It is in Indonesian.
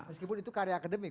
meskipun itu karya akademik